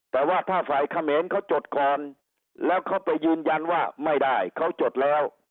แต่ว่าถ้าฝ่ายเขมรเขาจดก่อนแล้วเขาไปยืนยันว่าไม่ได้เขาจดแล้ว